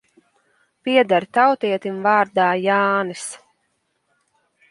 Pieder tautietim vārdā Jānis.